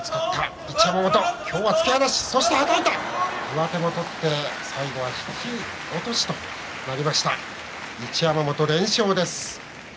上手を取って最後は落とす形になりました一山本、連勝です。